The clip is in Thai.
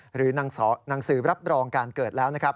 หรือนางสือรับรองการเกิดแล้ว